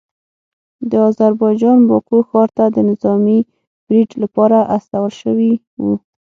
د اذربایجان باکو ښار ته د نظامي پریډ لپاره استول شوي وو